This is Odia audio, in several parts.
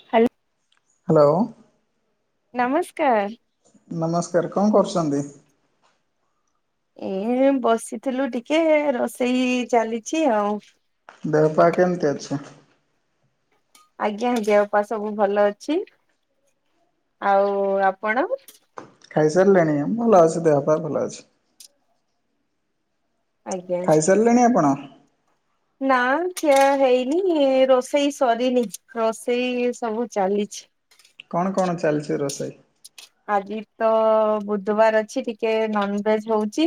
ହ୍ୟାଲୋ। ହ୍ୟାଲୋ। ନମସ୍କାର। ନମସ୍କାର କଣ କରୁଛନ୍ତି? ଏ ବସିଥିଲୁ ଟିକେ ରୋଷେଇ ଚାଲିଛି ଆଉ। ଦେହ ପା କେମିତି ଅଛି? ଆଜ୍ଞା ଆଜ୍ଞା ଉପା ସବୁ ଭଲ ଅଛି ଆଉ ଆପଣ ଖାଇସାରିଲେଣି ଭଲ ଅଛି ଦେହ ପାଇଁ ଭଲ ଅଛି। ଆଜ୍ଞା। ଖାଇସାରିଲେଣି ଆପଣ? ନା ଖିଆ ହେଇନି ରୋଷେଇ ସରିନି ରୋଷେଇ ସବୁ ଚାଲିଛି କଣ କଣ ଚାଲିଛି ରୋଷେଇ? ଆଜି ତ ବୁଧବାର ଅଛି ଟିକେ ନନ୍ ଭେଜ୍ ହଉଛି।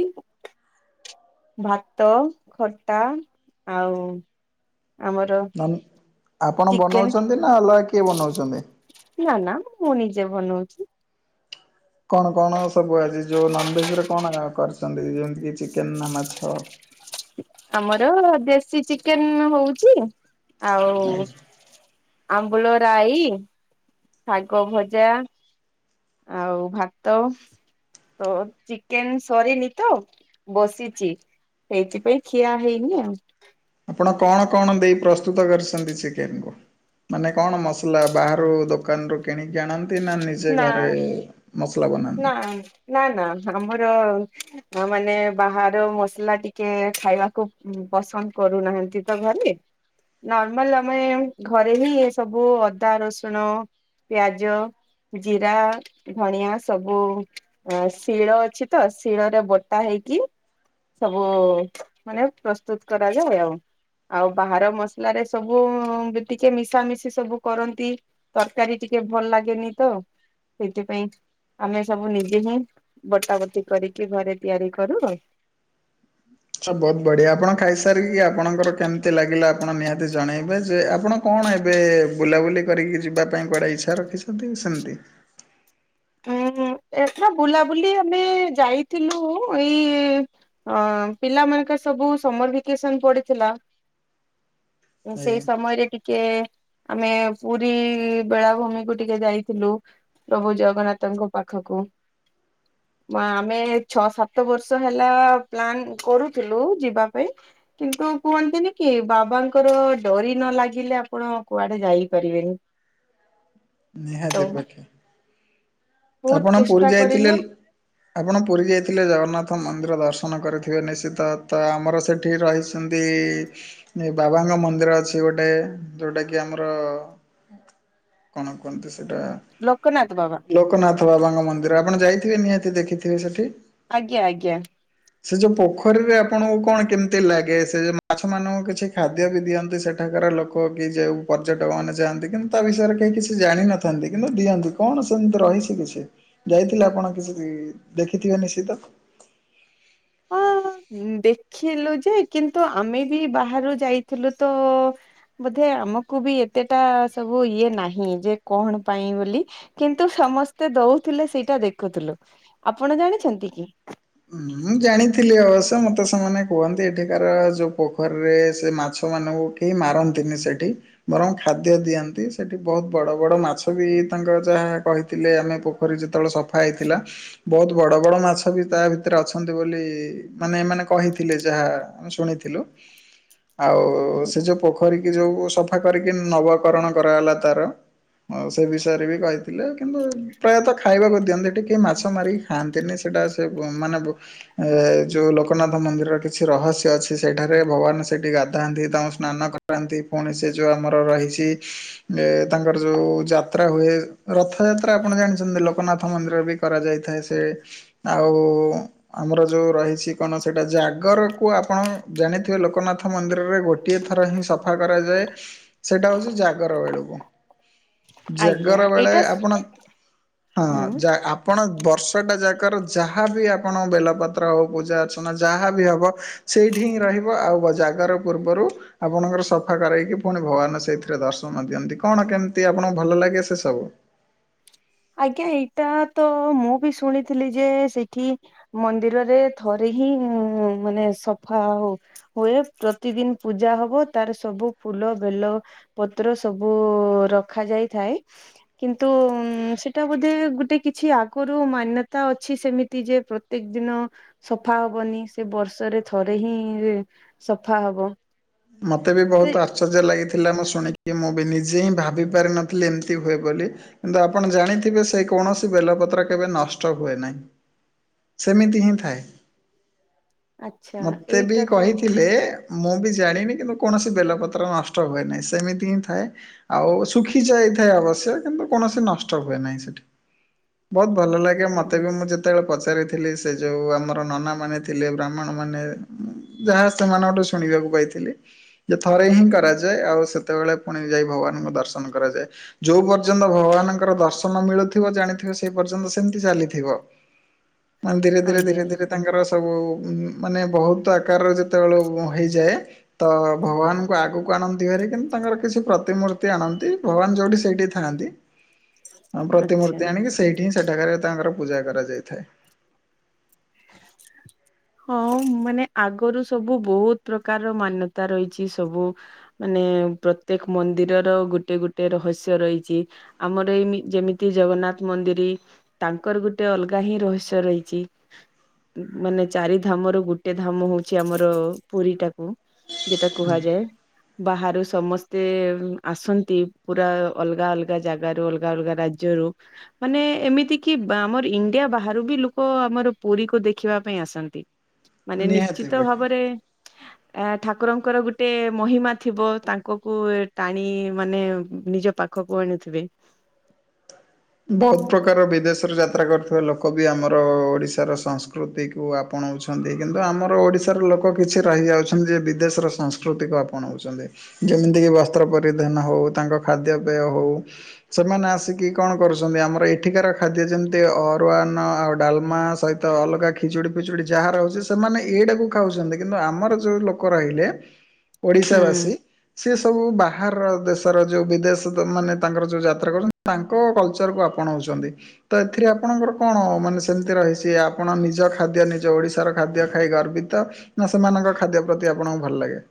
ଭାତ ଖଟା ଆଉ ଆମର ନନ୍ ଆପଣ ଚିକେନ ବନାଉଛନ୍ତି ନା ଅଲଗା କିଏ ବନାଉଛନ୍ତି? ନା ନା ମୁଁ ନିଜେ ବନଉଛି। କଣ କଣ ସବୁ ଆଜି ଯୋଉଁ ନନଭେଜରେ କଣ କରିଛନ୍ତି ଯେମିତିକି ଚିକେନ୍ ନା ମାଛ? ଆମର ଦେଶୀ ଚିକେନ ହଉଛି ଆଉ ଆମ୍ବୁଳ ରାଇ ଶାଗ ଭଜା ଆଉ ଭାତ ତ ଚିକେନ ସରିନି ତ ବସିଛି ସେଇଥିପାଇଁ ଖିଆ ହେଇନି ଆଉ। ଆପଣ କଣ କଣ ଦେଇ ପ୍ରସ୍ତୁତ କରିଛନ୍ତି ଚିକେନ କୁ ମାନେ କଣ ମସଲା ବାହାରୁ ଦୋକାନରୁୁ କିଣିକି ଆଣନ୍ ନ୍ତି ନା ନିଜେ ଘରେ ମସଲା ନା ବନାନ୍ତି? ନା ନା ଆମର ହଁ ମାନେ ବାହାର ମସଲା ଟିକେ ଖାଇବାକୁ ପସନ୍ଦ କରୁନାହାନ୍ତି ତ ଘରେ ନର୍ମାଲ ଆମେ ଘରେ ହିଁ ଏ ସବୁ ଅଦା ରସୁଣ ପିଆଜ ଜିରା ଧଣିଆ ସବୁ ଅ ଶିଳ ଅଛି ତ ଶିଳରେ ବଟା ହେଇକି ସବୁ ମାନେ ପ୍ରସ୍ତୁତ କରାଯାଏ ଆଉ। ଆଉ ବାହାର ମସଲାରେ ସବୁ ଟିକେ ମିଶାମିଶି ସବୁ କରନ୍ତି। ତରକାରୀ ଟିକେ ଭଲ ଲାଗେନି ତ ସେଇଥିପାଇଁ ଆମେ ସବୁ ନିଜେ ହିଁ ବଟା ବଟି କରିକି ଘରେ ତିଆରି କରୁ ଆଉ। ଆଚଛା ବହୁତ ବଢ଼ିଆ ଆପଣ ଖାଇସାରିକି ଆପଣଙ୍କର କେମିତି ଲାଗିଲା ଆପଣ ନିହାତି ଜଣେଇବେ ଯେ ଆପଣ କଣ ଏବେ ବୁଲାବୁଲି କରିକି ଯିବା ପାଇଁ କୁଆଡ଼େ ଇଚ୍ଛା ରଖିଛନ୍ତି ସେମିତି? ହୁଁ ଏଥର ବୁଲାବୁଲି ଆମେ ଯାଇଥିଲୁ ଏଇ ହଁ ପିଲା ମାନଙ୍କର ସବୁ ସମର ଭାକେସନ ପଡିଥିଲା ସେଇ ଆଜ୍ଞା ସମୟରେ ଟିକ୍ ଟିକେ ଆମେ ପୁରୀ ବେଳାଭୂମି କୁ ଟିକେ ଯାଇଥିଲୁ ପ୍ରଭୁ ଜଗନ୍ନାଥ ତାଙ୍କ ପାଖକୁ ଆମେ ଛଅ ସାତ ବର୍ଷ ହେଲା ପ୍ଲାନ କରୁଥିଲୁ ଯିବା ପାଇଁ କିନ୍ତୁ କୁହନ୍ତିନି କି ବାବାଙ୍କର ଡରି ନ ଲାଗିଲେ ଆପଣ କୁଆଡେ ଯାଇପାରିବେନି ତ ନିହାତି ପାକ୍ଷେ ବହୁତ ଆପଣ ଚେଷ୍ଟା ପୁରୀ କରିଲୁ ଯାଇଥିଲେ ଆପଣ ପୁରୀ ଯାଇଥିଲେ ଜଗନ୍ନାଥ ମନ୍ଦିର ଦର୍ଶନ କରିଥିବେ ନିଶ୍ଚିତ ତ ଆମର ସେଇଠି ରହିଛି ସେମତି ବାବାଙ୍କ ମନ୍ଦିର ଅଛି ଗୋଟେ ଯୋଉଟା କି ଆମର କଣ କୁହନ୍ତି ସେଇଟା? ଲୋକନାଥ ବାବା। କନାଥ ବାବାଙ୍କ ମନ୍ଦିର ଆପଣ ଯାଇଥିବେ ନିହାତି ଦେଖିଥିବେ ସେଠି? ଆଜ୍ଞା ଆଜ୍ଞା। ସେ ଯେଉଁ ପୋଖରୀରେ ଆପଣଙ୍କୁ କଣ କେମିତି ଲାଗେ ସେ ଯେଉଁ ମାଛମାନଙ୍କୁ କିଛି ଖାଦ୍ୟ ବି ଦିଅନ୍ତି ସେଠାକାର ଲୋକ ଲ କି ଯେଉ ପର୍ଯ୍ୟଟକ ମମାନେ ଯାଆନ୍ତି କିନ୍ତୁ ତା ବିଷୟରେ କେହି କିଛି ଜାଣିନଥାନ୍ତି କିନ୍ତୁ ଦିଅନ୍ତି କଣ ସେମିତି ରହିଚି କି କିଛି ଯାଇଥିଲେ ଆପଣ କିଛି ବି ଦେଖିଥିବେ ନିଶ୍ଚିତ? ହଁ ଦେଖିଲୁ ଯେ କିନ୍ତୁ ଆମେ ବି ବାହାରୁ ଯାଇଥିଲୁ ତ ବୋଧେ ଆମକୁ ବି ଏତେଟା ସବୁ ଇଏ ନାହିଁ ଯେ କଣ ପାଇଁ ବୋଲି କିନ୍ତୁ ସମସ୍ତେ ଦଉଥିଲେ ସେଇଟା ଦେଖୁଥିଲୁ। ଆପଣ ଜାଣିଛନ୍ତି କି? ମୁଁ ଜାଣିଥିଲି ଅବଶ୍ୟ ମତେ ସେମାନେ କୁହନ୍ତି ଏଠିକାର ଯୋଉ ପୋଖରୀରେ ସେ ମାଛ ମାନଙ୍କୁ କେହି ମାରନ୍ତନ୍ତି ସେଠି। ବରଂ ଖାଦ୍ୟ ଦିଅନ୍ତି। ସେଠି ବୋହୁତ୍ ବଡ ବଡ ମାଛ ବି ତାଙ୍କର ଯାହା କହିଥିଲେ ଆମେ ଖ ଯେତେବେଳେ ସଫା ହେଇଥିଲା ବୋହୁତ୍ ବଡ ବଡ ମାଛ ବି ତା ଭିତରେ ଅଛନ୍ତି ବୋଲି ମାନେ ମାନେ କହିଥିଲେ ଯାହାମେ ଶୁଣିଥିଲୁ। ଆଉ ସେ ଯୋଉ ପୋଖରୀ କି ଯୋଉ ସଫା କରିକି ନବକରଣ କରାଗଲା ତାର। ହଁ ସେ ବିଷୟରେ ବି କହିଥିଲେ କିନ୍ତୁ ପ୍ରାୟତଃ ଖାଇବାକୁ ଦିଅନ୍ତି ଟିକେ ମାଛ ମାରିକି ଖାଆନ୍ତିନି ସେଇଟା ସେ ମାନେ ଏ ଯୋଉ ଲୋକନାଥ ମନ୍ଦିରର କିଛି ରହସ୍ୟ ଅଛି ସେଠାରେ ଭଗବାନ ସେଠି ଗାଧାନ୍ତି ତାଙ୍କୁ ସ୍ନାନ କରାନ୍ତି ପୁଣି ସେ ଯୋଉ ଆମର ରହିଛି ଏ ତାଙ୍କର ଯୋଉ ଯାତ୍ରା ହୁଏ ରଥ ଯାତ୍ରା ଆପଣ ଜାଣିଛନ୍ତି ଲୋକନାଥ ମନ୍ଦିର ବି କରାଯାଇଥାଏ ସେ ଆଉ ଆମର ଯୋଉ ରହିଛି କଣ ସେଇଟା ଜାଗରକୁ ଆପଣ ଜାଣିଥିବେ ଲୋକନାଥ ମନ୍ଦିରରେ ଗୋଟେ ଗୋଟିଏ ଥର ହିଁ ସଫା କରାଯାଏ ସେଟା ହଉଛି ଜାଗର ବେଳକୁ। ଆଜ୍ଞା ଜାଗର ବେଳେ ଏଇଟା ଆପଣ ହୁଁ ହଁ ଆପଣ ବର୍ଷ ଟା ଯା ପ୍ରକାର ଯାହାବି ଆପଣ ବେଲପତ୍ର ହଉ ପୂଜା ଅର୍ଚ୍ଚନା ଯାହା ବିି ହେବ ସେଇଠି ହିଁ ରହିବ ଆଉ ଜାଗର ପୂର୍ବରୁ ଆପଣଙ୍କର ସଫା କରାଇକି ପୁଣି ଭଗବାନ ସେଇଥିରେ ଦର୍ଶନ ଦିଅନ୍ତି କଣ କେମିତି ଆପଣଙ୍କୁ ଭଲ ଲାଗେ ସେ ସବୁ? ଆଜ୍ଞା ଏଇଟା ତ ମୁଁ ବି ଶୁଣିଥିଲି ଯେ ସେଇଠି ମନ୍ଦିରରେ ଥରେ ହିଁ ମାନେ ସଫା ଆଉ ହୁଏ ପ୍ରତିଦିନ୍ ପୂଜା ହବ ତାର ସବୁ ଫୁଲ ବେଲ ପତ୍ର ସବୁ ରଖାଯାଇଥାଏ। କିନ୍ତୁ ସେଟା ବୋଧେ ଗୋଟେ କିଛି ଆଗରୁ ମାନ୍ୟତା ଅଛି ସେମିତି ଯେ ପ୍ରତ୍ୟେକ ଦିନ ସଫା ହବନି ସେ ବର୍ଷରେ ଥରେ ହିଁ ସଫା ହବ। ମତେ ବି ବହୁତ ସେ ଆ ଆଶ୍ଚର୍ଯ୍ୟ ଲାଗିଥିଲା ମୁଁ ଶୁଣିକି ମୁଁ ବି ନିଜେ ହିଁ ଭାବି ପାରିିନଥିଲି ଏମିତି ହୁଏ ବୋଲି। କିନ୍ତୁ ଆପଣ ଜାଣିଥିବେ ସେଇ କୌଣସି ବେଲପତ୍ର କେବେ ନଷ୍ଟ ହୁଏ ନାହିଁ। ସେମିତି ହିଁ ଥାଏ ଆଚ୍ଛା ମତେ ବି ଏଇଟା ତ କହିଥିଲେ। ମୁଁ ବି ଜାଣିନି କିନ୍ତୁ କୌଣସି ବେଲପତ୍ର ନଷ୍ଟ ହୁଏ ନାହିଁ। ସେମିତି ହିଁ ଥାଏ। ଆଉ ଶୁଖି ଯାଇଥାଏ ଅବଶ୍ୟକ କିନ୍ତୁ କୌଣସି ନଷ୍ଟ ହୁଏ ନାହିଁ ସେଠି। ବୋହୁତ୍ ଭଲ ଲାଗେ ମତେ ବି ହୁଁ, ମୁଁ ଯେ ଯେତେବେଳେ ପଚାରିଥିଲି ସେ ଯୋଉ ଆମର ନନା ମାନେ ଥିଲେ ବ୍ରାହ୍ମଣ ମାନେ ଯାହା ସେମାନଙ୍କଠୁ ଶୁଣିବାକୁ ପାଇଥିଲି। ଯେ ଥରେ ହିଁ କରାଯାଏ ଆଉ ସେତେବେଳେ ପୁଣି ଯାଇ ଭଗବାନଙ୍କୁ ଦର୍ଶନ କରାଯାଏ। ଯୋଉ ପର୍ଯ୍ୟନ୍ତ ଭଗବାନଙ୍କର ଦର୍ଶନ ମିଳୁଥିବ ଜାଣିଥିବ ସେ ପର୍ଯ୍ୟନ୍ତ ସେମିତି ଚାଲିଥିବ। ହ ମାନେ ଧୀରେ ଧୀରେ ଧୀରେ ଧୀରେ ତାଙ୍କର ସବୁ ମାନେ ବହୁତ ଆକାରର ଯେତେବେଳେ ହୋଇଇଯାଏ ତ ଭଗବାନଙ୍କୁ ଆଗକୁ ଆଣନ୍ତି ଘରେ କିନ୍ତୁ ତାଙ୍କର କିଛି ପ୍ରତିମୂର୍ତ୍ତି ଆଣନ୍ତି ଭଗବାନ ଯେଉଁଠି ସେଇଠି ଥାଆନ୍ତି। ହଁ, ଆଚ୍ଛା। ପ୍ରତିମୂର୍ତ୍ତି ଆଣିକି, ସେଇଠି ହିଁ, ସେଠାକାରେ ତାଙ୍କର ପୂଜା କରାଯାଇଥାଏ। [unintelligible] ହଁ ମାନେ ଆଗରୁ ସବୁ ବହୁତ ପ୍ରକାରର ମାନ୍ୟତା ରହିଚି ସବୁ ମାନେ ପ୍ରତ୍ୟେକ ମନ୍ଦିରର ଗୋଟେ ଗୋଟେ ରହସ୍ୟ ରହିଚି। ଆମର ଏଇ ମି ଯେମିତି ଜଗନ୍ନାଥ ମନ୍ଦିରି, ତାଙ୍କର ଗୋଟେ ଅଲଗା ହିଁ ରହସ୍ୟ ରହିଛି। ମାନେ ଚାରି ଧାମ ରୁ ଗୋଟେ ଧାମ ହଉଛି ଆମର ପୁରୀ ଟାକୁ ଯେଟା କୁହାଯାଏ। ବାହାରୁ ସମସ୍ତେ ଆସନ୍ତି, ପୁରା ଅଲଗା ଅଲଗା ଜାଗାରୁ, ଅଲଗା ଅଲଗା ରାଜ୍ୟ ଜ୍ୟରୁ, ମାନେ ଏମିତି କି ଆମର ଇଣ୍ଡିଆ ବାହାରୁ ବି ଲୋକ ଆମର ପୁରୀ କୁ ଦେଖିବା ପାଇଁ ଆସନ୍ତି, ମାନେ ନିହାତି ନିଶ୍ଚିତ ପକ୍ଷେ ଭାବରେ ଏ ଠାକୁରଙ୍କର ଗୋଟେ ମହିମା ଥିବ, ତାଙ୍କ କୁ ଟାଣି ମାନେ ନିଜ ପାଖ ପାଖକୁ ଆଣିଥିବେ। ବହୁତ ପ୍ରକାର ବିଦେଶରେ ଯାତ୍ରା କରୁଥିବା ଲୋକ ବି ଆମର ଓଡିଶାର ସାଂସ୍କୃତିକ କୁ ଆପଣାଉଛନ୍ତି, କିନ୍ତୁ ଆମର ଓଡ଼ିଶାର ଲୋକ କିଛି ରହିଯାଉଛନ୍ତି ଯେ ବିଦେଶର ସଂସ୍କୃତିକୁ ଆପଣାଉଚନ୍ତି। ଯେମିତିକି ବସ୍ତ୍ର ପରିଧାନ ହଉ, ତାଙ୍କ ଖାଦ୍ୟପେୟ ହଉ, ସେମାନେ ଆସିକି କଣ କରୁଛନ୍ତି? ଆମର ଏଠିକାର ଖାଦ୍ୟ ଯେମିତି ଅରୁଆନ ଆଉ ଡାଲମା ସହିତ ତ ଅଲଗା ଖିଚୁଡ଼ି ପିଚୁଡ଼ି ଯାହା ରହୁଛି, ସେମାନେ ଏଇଟାକୁ ଖାଉଛନ୍ତି କିନ୍ତୁ ଆମର ଯେଉଁ ଲୋକ ରହିଲେ [inaudible] ଓଡ଼ିଶା ହୁଁ। ବାସୀ, ସେ ସବୁ ବାହାରର ଦେଶର ଯୋଉ ବିଦେଶ ମାନେ ତାଙ୍କର ଯୋଉ ଯାତ୍ରା କରୁଚନ୍ତି ତାଙ୍କ କଲଚରକୁ ଆପଣାଉଚନ୍ତି। ତ ଏଥିରେ ଆପଣଙ୍କର କଣ ମାନେ ସେମିତି ରହିଛି, ଆପଣ ନିଜ ଖାଦ୍ୟ ନିଜ ଓଡିଶାର ଖାଦ୍ୟ ଖାଇ ଗର୍ବିତ ନା ସେମାନଙ୍କ ଖାଦ୍ୟ ପ୍ରତି ଆପଣଙ୍କୁ ଭଲ ଲାଗେ।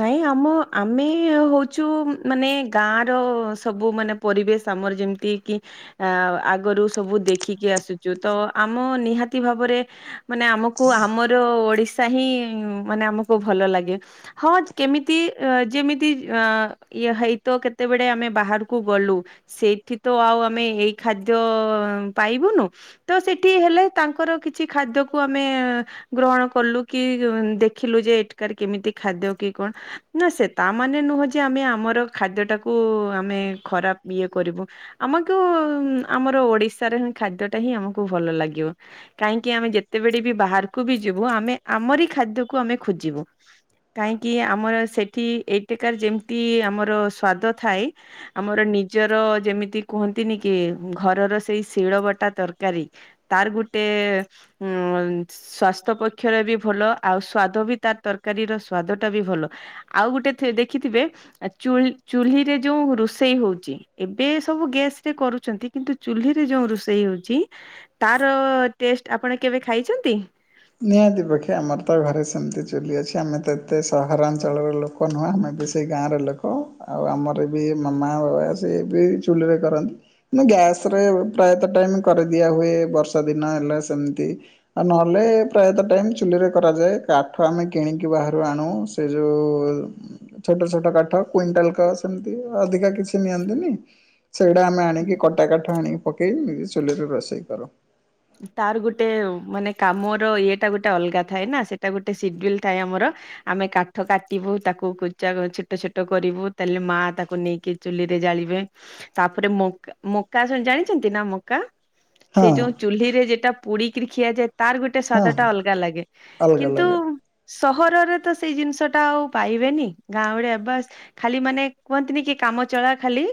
ନାଇଁ ଆମ, ଆମେ ହଉଛୁ ମାନେ ଗାଁ ର ସବୁ ମାନେ ପରିବେଶ, ଆମର ଯେମିତିକି ଆ ଆଗରୁ ସବୁ ଦେଖିକି ଆସୁଚୁ, ତ ଆମ ନିହାତି ଭାବରେ ମାନେ ଆମକୁ କୁ ଆମର ଓଡିଶା ହିଁ, ମାନେ ଆମକୁ ଭଲ ଲାଗେ। ହଁ କେମିତି, ଯେମିତି ଅ ଇଏ ହେଇତ କେତେବେଳେ ଆମେ ବାହାରକୁ ଗଲୁ ସେଇଠି ତ ଆଉ ଆମେ ଏଇ ଖାଦ୍ୟ ପାଇବୁନୁ ତ ସେଠି ହେଲେ, ତାଙ୍କର କିଛି ଖାଦ୍ୟକୁ ଆମେ ଗ୍ରହଣ କଲୁ କି ଦେଖିଲୁ ଯେ ଏଠିକାରେ କେମିତି ଖାଦ୍ୟ କି କଣ, ନା ସେ ତା ମାନେ ନୁହଁ ଯେ ଆମେ ଆମର ଖାଦ୍ୟ ଟାକୁ ଆମେ ଖରାପ ଇଏ କରିବୁ, ଆମକୁ ଆମର ଓଡିଶାରେ ହିଁ ଖାଦ୍ୟଟା ହିଁ ଆମକୁ ଭଲ ଲାଗିବ। କାହିଁକି ଆମେ ଯେତେବେଳେ ବି ବାହାରକୁ ବି ଯିବୁ, ଆମେ ଆମରି ଖାଦ୍ୟକୁ ଆମେ ଖୋଜିବୁ। କାହିଁକି ଆମର ସେଠି ଏଇଠିକାର ଯେମିତି ଆମର ସ୍ଵାଦ ଥାଏ ଆମର ନିଜର ଯେମିତି କୁହନ୍ତିନିକି, ଘରର ସେଇ ଶିଳ ବଟା ତରକାରୀ ତାର ଗୋଟେ ଉ ସ୍ଵାସ୍ଥ୍ୟ ପକ୍ଷରେ ବି ଭଲ ଆଉ ସ୍ଵାଦ ବି ତାର ତରକାରୀର ସୁ ସ୍ଵାଦଟା ବି ଭଲ ଆଉ ଗୋଟେ ଥି ଦେଖିଥିବେ ଆଉ ଚୁଲୁ ଚୁ୍ଲିରେ ଯୋଉ ରୋଷେଇ ହଉଚି ଏବେ ସବୁ ଗ୍ୟାସରେ କରୁଚନ୍ତି କିନ୍ତୁ ଚୁଲିରେ ଯୋଉ ରୋଷେଇ ହଉଚି ତାର ଟେଷ୍ଟ ଆପଣ କେବେ ଖାଇଚନ୍ତି? ନିହାତି ପକ୍ଷେ, ଆମର ତ ଘରେ ସେମିତି ଚୁଲି ଅଛି, ଆମେ ତ ଏତେ ସହରାଞ୍ଚଳର ଲୋକ ଲୋକ ନୁହଁ, ଆମେ ବି ସେଇ ଗାଁର ଲୋକ। ଆଉ ଆମର ବି ମାମା ବାବା ସିଏ ବି ଚୁଲିରେ କରନ୍ତି। ମୁଁ ଗ୍ୟାସରେ ପ୍ରାୟତଃ ଟାଇମ୍ କରିଦିଆ ହୁଏ ବର୍ଷା ଦିନ ହେଲା ସେମିତି ଆଉ ନହେଲେ ପ୍ରାୟତଃ ଟାଇମ ଚୁଲିରେ କରାଯାଏ କାଠ ଆମେ କିଣିକି ବାହାରୁ ଆଣୁ ସେ ଯୋଉ ଛୋଟ ଛୋଟ କାଠ କୁଇଣ୍ଟାଲ କ ସେମିତି ଅଧିକା କିଛି ନିଅନ୍ତିନି। ସେଇଟା ଆମେ ହୁଁ, ଆଣିକି କଟା କାଠ ଆଣିକି ପକେଇେ ଚୁଲିରେ ରୋଷେଇ କରୁ। ତାର ଗୋଟେ ମାନେ କାମର ଇଏଟା ଗୋଟେ ଅଲଗା ଥାଏ ନା ସେଟା ଗୋଟେ ସିଡୁଲ ଥାଏ ଆମର। ଆମେ କାଠ କାଟିବୁ ତାକୁ କୁଚା ଛୋଟ ଛୋଟ କରିବୁ ତାହେଲେ ମା ତାକୁ ନେଇକି ଚୁଲିରେ ଜାଳିବେ ତାପରେ ମ ମକା ଶୁ ଜାଣିଛନ୍ତି ନା ମ ମକା ହଁ ସେଇ ଯୋଉ ଚୁଲିରେ ଯେଟା ପୋଡିକିରି ଖିଆଯାଏ ତାର ଗୋ ଗୋଟେ ହଁ ସ୍ଵାଦଟା ଅଲଗା ଲାଗେ ଅଲଗା କିନ୍ତୁ ଅଲଗା ସହରରେ ତ ସେଇ ଜିନିଷଟା ଆଉ ପାଇବେନି ଗାଁ ଭଳିଆ ବାସ ଖାଲି ମାନେ କୁହନ୍ତିନି କି କାମ ଚଳା ଖାଲି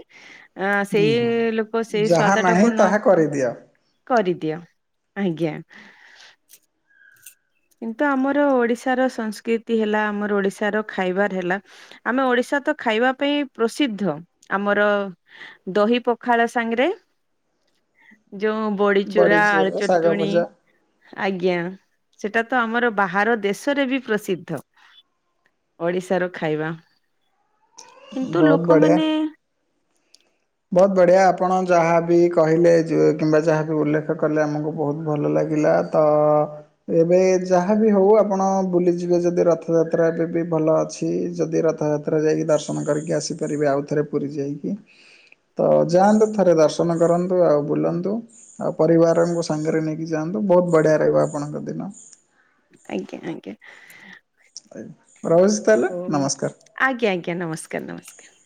ଆ ସେଇ ହୁଁ ଲୋକ ସେଇ ଯାହା ସ୍ଵାଦଟାକୁ ନାହିଁ ନ ତାହା କରିଦିଅ। କରିଦିଅ। ଆଜ୍ଞା, କିନ୍ତୁ ଆମର ଓଡିଶାର ସଂସ୍କୃତି ହେଲା ଆମର ଓଡିଶାର ଖାଇବାର ହେଲା ଆମେ ଓଡିଶା ତ ଖାଇବା ପାଇଁ ପ୍ରସିଦ୍ଧ ଆମର ଦହି ପଖାଳ ସାଙ୍ଗରେ ଯୋଉ ବଡିଚୁରା ଆଳୁ ଶାଗ ଚଟୁଣି। ଭଜା ଆଜ୍ଞା, ସେଟା ତ ଆମର ବାହାର ଦେଶରେ ବି ପ୍ରସିଦ୍ଧ। ଓଡିଶା ର ଖାଇବା କିନ୍ତୁ ବହୁତ ବଢିଆ। ଲୋକମାନେ ବହୁତ ବଢ଼ିଆ ଆପଣ ଯାହାବି କହିଲେ ଯୋ କିମ୍ବା ଯାହାବି ଉଲ୍ଲେଖ କଲେ ଆମକୁ ବହୁତ ଭଲ ଲାଗିଲା। ତ ଅ ଏବେ ଯାହାବି ହଉ ଆପଣ ବୁଲିଯିବେ ଯଦି ରଥଯାତ୍ରା ଏବେ ବି ଭଲ ଅଛି ଯଦି ରଥଯା ତ୍ରା ଯାଇକି ଦର୍ଶନ କରିକି ଆସିପାରିବେ ଆଉଥରେ ପୁରୀ ଯାଇକି ତ ଯାଆନ୍ତୁ ଥରେ ଦର୍ଶନ କରନ୍ତୁ ଆଉ ବୁଲନ୍ତୁ। ଆଉ ପରିବାରଙ୍କୁ ସାଙ୍ଗରେ ନେଇକି ଯାଆନ୍ତୁ ବହୁତ ବଢ଼ିଆ ରହିବ ଆପଣଙ୍କ ଦିନ। ଆଜ୍ଞା, ଆଜ୍ଞା, ରହୁଛି ତାହେଲେ। ହଉ। ନମସ୍କାର, ଆଜ୍ଞା, ଆଜ୍ଞା, ନମସ୍କାର, ନମସ୍କାର,